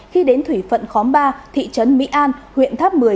khi đến thủy phận khóm ba thị trấn mỹ an huyện tháp một mươi